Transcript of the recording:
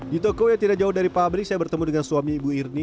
di toko yang tidak jauh dari pabrik saya bertemu dengan suami ibu irni